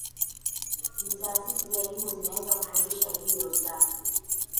Ni taasisi za elimu zinaweza kufundisha juu ya usafi